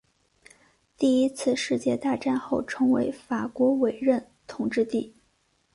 第一次世界大战后成为法国委任统治地。